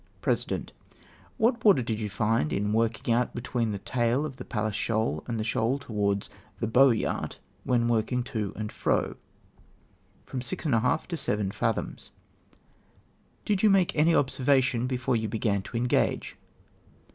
President. —" What water did you find in working out between the tail of the Pallas Shoal and the shoal towards the Boyart, when Avorking to and fi'O ?"" From, six and a, half to seven fathoms.'" " Did you make any observation before you began to engage